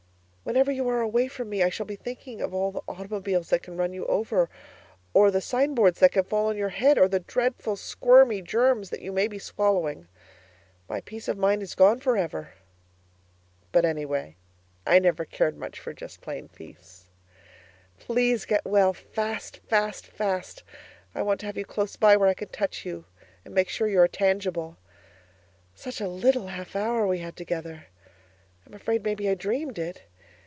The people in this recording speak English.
Whenever you are away from me I shall be thinking of all the automobiles that can run over you, or the sign boards that can fall on your head, or the dreadful, squirmy germs that you may be swallowing. My peace of mind is gone for ever but anyway, I never cared much for just plain peace. Please get well fast fast fast. I want to have you close by where I can touch you and make sure you are tangible. Such a little half hour we had together! I'm afraid maybe I dreamed it.